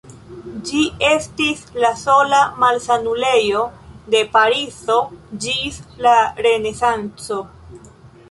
Ĝi estis la sola malsanulejo de Parizo ĝis la Renesanco.